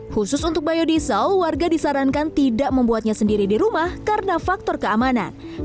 khusus untuk biodiesel warga disarankan tidak membuatnya sendiri di rumah karena faktor keamanan